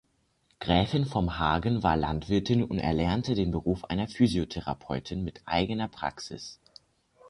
Gräfin vom Hagen war Landwirtin und erlernte den Beruf einer Physiotherapeutin, mit eigener Praxis.